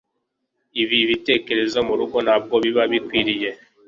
ibi bitekerezo murugo ntabwo biba bikwiriye